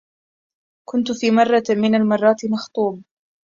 كنت في مرة من المرات مخطوب